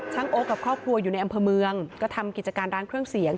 โอ๊คกับครอบครัวอยู่ในอำเภอเมืองก็ทำกิจการร้านเครื่องเสียง